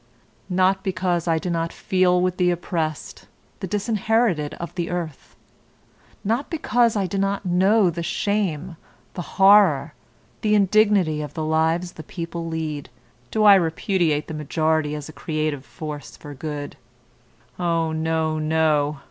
Not because I do not feel with the oppressed, the disinherited of the earth; not because I do not know the shame, the horror, the indignity of the lives the people lead, do I repudiate the majority as a creative force for good. Oh, no, no!